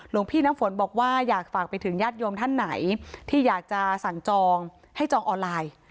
พี่น้ำฝนบอกว่าอยากฝากไปถึงญาติโยมท่านไหนที่อยากจะสั่งจองให้จองออนไลน์